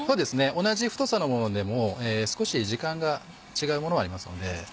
同じ太さのものでも少し時間が違うものありますので。